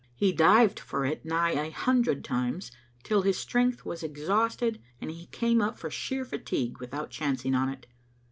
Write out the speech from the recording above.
He dived for it nigh a hundred times, till his strength was exhausted and he came up for sheer fatigue without chancing on it.